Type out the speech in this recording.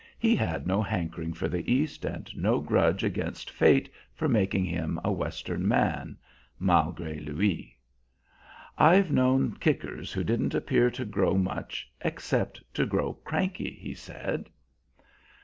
He had no hankering for the East and no grudge against fate for making him a Western man malgré lui. "I've known kickers who didn't appear to grow much, except to grow cranky," he said.